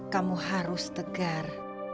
kamu harus tegar